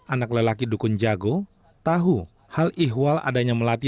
anak lelaki dukun jago tahu hal ihwal adanya melati